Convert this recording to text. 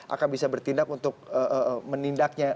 akan bisa bertindak untuk menindaknya